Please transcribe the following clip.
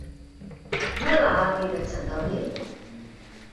Nola ahalbidetzen da hori?